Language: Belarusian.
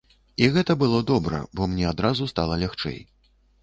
І гэта было добра, бо мне адразу стала лягчэй.